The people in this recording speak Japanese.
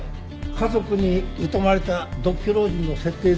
家族に疎まれた独居老人の設定で。